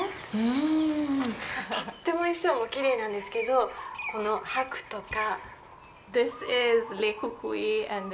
とっても衣装もきれいなんですけどこのハクとか。